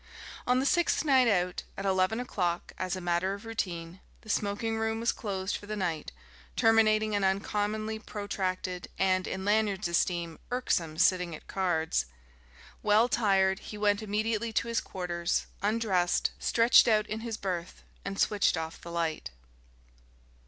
On the sixth night out, at eleven o'clock as a matter of routine, the smoking room was closed for the night, terminating an uncommonly protracted and, in Lanyard's esteem, irksome sitting at cards. Well tired, he went immediately to his quarters, undressed, stretched out in his berth, and switched off the light.